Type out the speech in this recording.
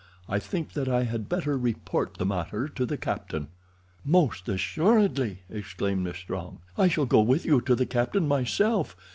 I think that I had better report the matter to the captain." "Most assuredly," exclaimed Miss Strong. "I shall go with you to the captain myself.